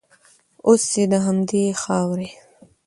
اوس یې د همدې خاورې